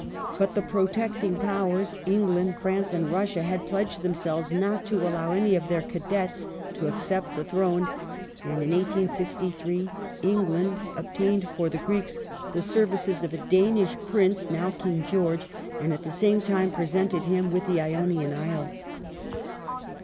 But the pro tecting Powers, England, France, and Russia, had pledged tliem selves not to allow any of their cadets to accept the throne, and in 1863 England obtained for the Greeks the services of a Danish 1878] THE EASTERN QUESTION 453 Piince (now King George), and at the same time presented him with the Ionian Isles.